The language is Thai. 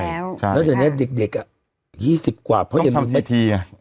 แล้วแลี่ยวเด็ก๒๕กว่าเพราะอีก๑๕ปี